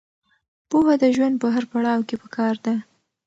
پوهه د ژوند په هر پړاو کې پکار ده.